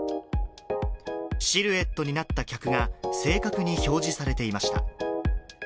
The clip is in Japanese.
シルエットになった客が、正確に表示されていました。